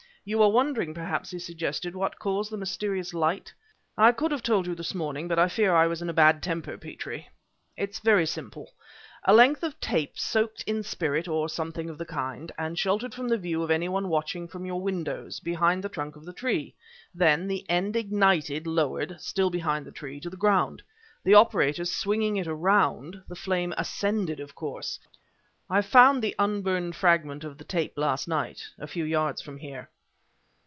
"You are wondering, perhaps," he suggested, "what caused the mysterious light? I could have told you this morning, but I fear I was in a bad temper, Petrie. It's very simple: a length of tape soaked in spirit or something of the kind, and sheltered from the view of any one watching from your windows, behind the trunk of the tree; then, the end ignited, lowered, still behind the tree, to the ground. The operator swinging it around, the flame ascended, of course. I found the unburned fragment of the tape last night, a few yards from here."